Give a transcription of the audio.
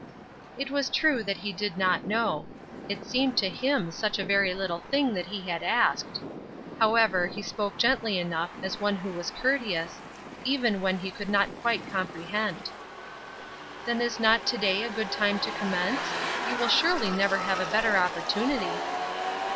It was true that he did not know. It seemed to him such a very little thing that he had asked. However, he spoke gently enough as one who was courteous, even when he could not quite comprehend. "Then is not to day a good time to commence? You will surely never have a better opportunity."